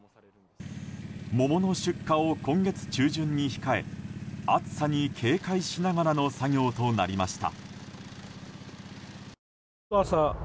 桃の出荷を今月中旬に控え暑さに警戒しながらの作業となりました。